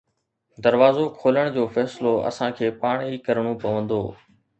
دروازو کولڻ جو فيصلو اسان کي پاڻ ئي ڪرڻو پوندو.